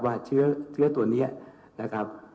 ว่าเชื้อตัวนี้นะครับ